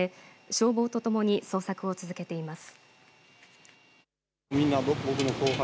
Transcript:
消防とともに捜索を続けています。